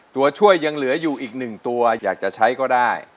ตัวช่วยยังเหลืออยู่อีก๑ตัวอยากจะใช้ก็ได้